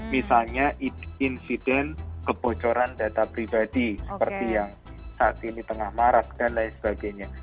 misalnya insiden kebocoran data pribadi seperti yang saat ini tengah marak dan lain sebagainya